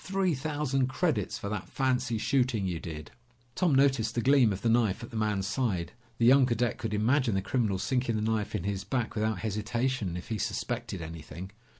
Three thousand credits for that fancy shooting you did!" Tom noticed the gleam of the knife at the man's side. The young cadet could imagine the criminal sinking the knife in his back without hesitation, if he suspected anything.